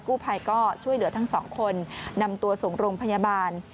กู้ภัยก็ช่วยเหลือทั้งสองคนนำตัวส่งโรงพยาบาล